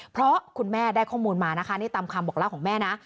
เพราะคุณแม่ได้ข้อมูลมาตามคำบอกล่าของแม่